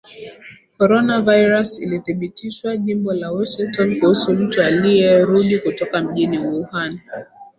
Coronavirus ilithibitishwa jimbo la Washington kuhusu mtu aliyerudi kutoka mjini Wuhan